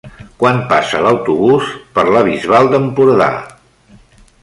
Quan passa l'autobús per la Bisbal d'Empordà?